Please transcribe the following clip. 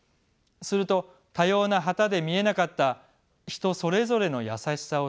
すると多様な旗で見えなかった人それぞれの優しさを知る。